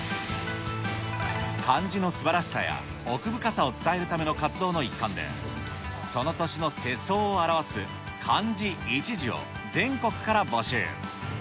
漢字のすばらしさや奥深さを伝えるための活動の一環で、その年の世相を表す、漢字一字を全国から募集。